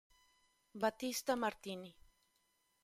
B. Martini”.